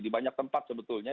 di banyak tempat sebetulnya